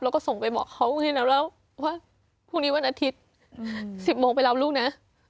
เราก็ส่งไปบอกเขาวันนี้นะว่าวันนี้วันอาทิตย์๑๐โมงไปรับลูกนะ